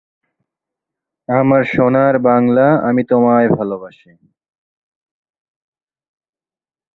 সংবেদী অঙ্গ থেকে আসা অনুভূতি গ্রহণ ও বিশ্লেষণ করে।